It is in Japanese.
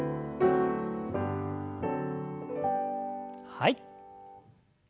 はい。